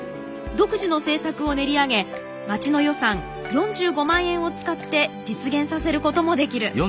独自の政策を練り上げ町の予算４５万円を使って実現させることもできる。